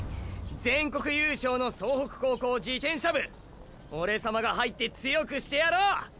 全国優勝の総北高校自転車部オレ様が入って強くしてやろう。